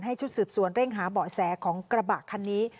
ชุดสืบสวนเร่งหาเบาะแสของกระบะคันนี้